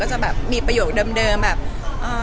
จะเป็นประโยคเดิมแฟน